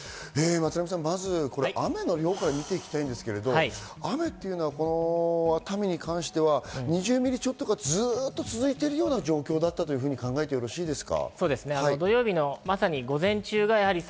松並さん、雨の量から見ていきたいですけど、熱海に関しては２０ミリちょっとが、ずっと続いているような状況だったというふうに考えてよろしいですか。